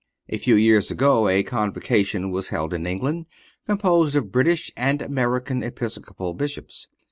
A few years ago a Convocation was held in England, composed of British and American Episcopal Bishops.